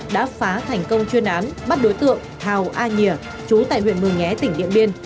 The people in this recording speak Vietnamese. đã phá thành công chuyên án bắt đối tượng hào a nhìa chú tại huyện mường nhé tỉnh điện biên